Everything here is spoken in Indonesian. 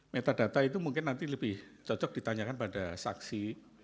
metadata itu mungkin nanti lebih cocok ditanyakan pada saksi